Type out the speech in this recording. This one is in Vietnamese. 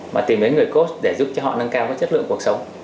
mà tìm đến người course để giúp cho họ nâng cao cái chất lượng cuộc sống